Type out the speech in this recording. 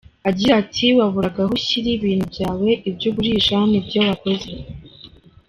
Agira ati “Waburaga aho ushyira ibintu byawe, ibyo ugurisha n’ibyo wakoze.